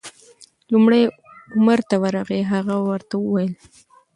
لومړی عمر ته ورغی، هغه ورته وویل: